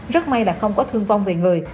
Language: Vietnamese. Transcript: rất may là không có thương vong về người